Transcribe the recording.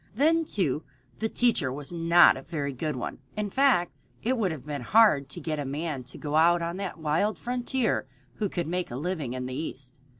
Then, too, the teacher was not a very good one. In fact, it would have been hard to get a man to go out on that wild frontier who could make a living in the East.